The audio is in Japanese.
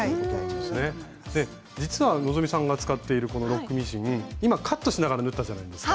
で実は希さんが使っているこのロックミシン今カットしながら縫ったじゃないですか。